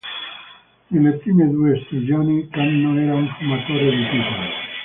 Nelle prime due stagioni, Cannon era un fumatore di pipa.